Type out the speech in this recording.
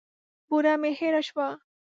بوره مي هېره سوه .